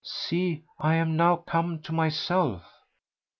See, I am now come to myself."